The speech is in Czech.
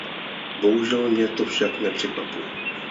Bohužel mě to však nepřekvapuje.